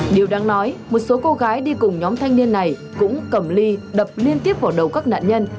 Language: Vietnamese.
điều đáng nói một số cô gái đi cùng nhóm thanh niên này cũng cầm ly đập liên tiếp vào đầu các nạn nhân